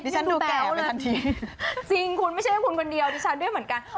ฉันดูแก้วเลยทันทีจริงคุณไม่ใช่แค่คุณคนเดียวดิฉันด้วยเหมือนกัน